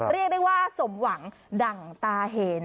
เรียกได้ว่าสมหวังดั่งตาเห็น